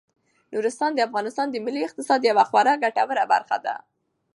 نورستان د افغانستان د ملي اقتصاد یوه خورا ګټوره برخه ده.